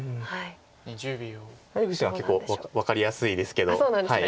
谷口さんは結構分かりやすいですけど。